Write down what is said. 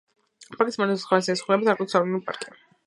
პარკს პანამის მხარეს ესაზღვრება დარიენის ეროვნული პარკი.